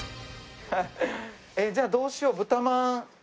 じゃあどうしよう豚饅。